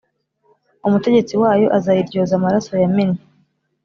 Umutegetsi wayo azayiryoza amaraso yamennye,